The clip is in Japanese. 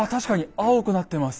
青くなってます。